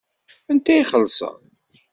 Anta i ixelṣen?